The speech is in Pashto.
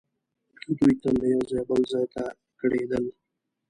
دوی تل له یو ځایه بل ځای ته کډېدل.